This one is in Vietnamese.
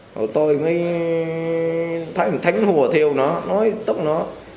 hồi tôi mới thấy thánh hùa theo nó nói tức nó